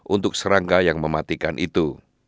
untuk serangga yang mematikan itu